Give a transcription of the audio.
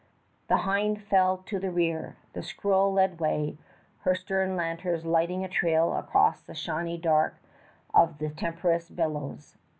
The Hinde fell to the rear. The Squirrel led away, her stern lanterns lighting a trail across the shiny dark of the tempestuous billows.